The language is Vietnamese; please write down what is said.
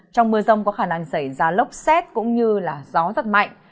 trong mưa rông có khả năng xảy ra lốc xét cũng như gió rất mạnh